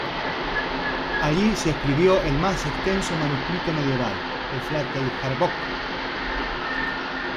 Allí se escribió el más extenso manuscrito medieval, el "Flateyjarbók".